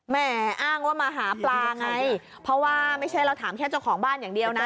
แม่อ้างว่ามาหาปลาไงเพราะว่าไม่ใช่เราถามแค่เจ้าของบ้านอย่างเดียวนะ